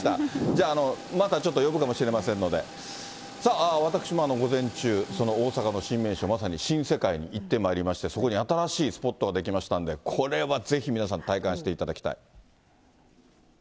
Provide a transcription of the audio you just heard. じゃあ、またちょっと呼ぶかもしれませんので、さあ、私も午前中、その大阪の新名所、まさに新世界に行ってまいりまして、そこに新しいスポットが出来ましたんで、これはぜひ皆さん、体感していただきたい。